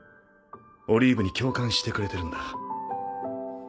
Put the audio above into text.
オリーブに共感してくれてるんだ。